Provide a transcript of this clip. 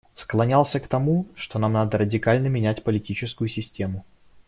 Склонялся к тому, что нам надо радикально менять политическую систему.